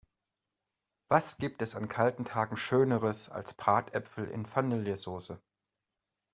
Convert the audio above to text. Was gibt es an kalten Tagen schöneres als Bratäpfel in Vanillesoße!